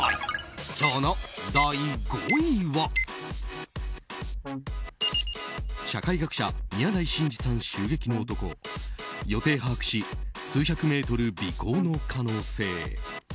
今日の第５位は社会学者、宮台真司さん襲撃の男予定把握し数百メートル尾行の可能性。